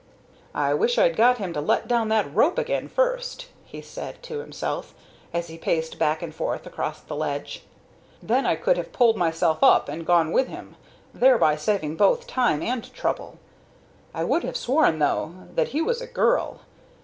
"I wish I'd got him to let down that rope again first," he said to himself, as he paced back and forth across the ledge; "then I could have pulled myself up and gone with him, thereby saving both time and trouble. I would have sworn, though, that he was a girl.